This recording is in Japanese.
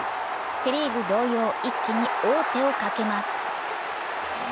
セ・リーグ同様、一気に王手をかけます。